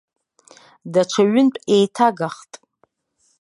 Даҽа ҩынтә еиҭагахт.